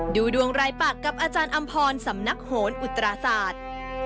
ดูดวงรายปากกับอาจารย์อำพรสำนักโหนอุตราศาสตร์